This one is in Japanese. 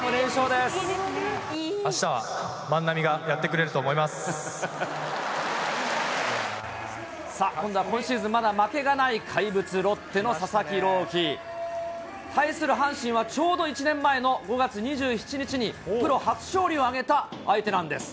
あしたは万波がやってくれるさあ、今度は今シーズン、まだ負けがない怪物、ロッテの佐々木朗希。対する阪神は、ちょうど１年前の５月２７日に、プロ初勝利を挙げた相手なんです。